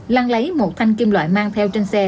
lăng lấy một thanh kim loại mang theo trên xe